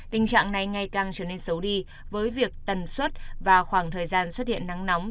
tình trạng này ngày càng trở nên xấu đi với việc tần suất và khoảng thời gian xuất hiện nắng nóng